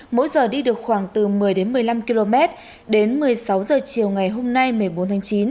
mỗi giờ đi được khoảng từ một mươi đến một mươi năm km đến một mươi sáu h chiều ngày hôm nay một mươi bốn tháng chín